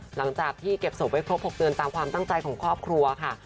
หลังจากที่เก็บศพไว้ครบ๖เดือนตามความตั้งใจของครอบครัวค่ะ